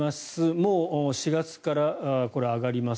もう４月からこれは上がります。